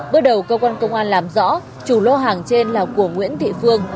bước đầu cơ quan công an làm rõ chủ lô hàng trên là của nguyễn thị phương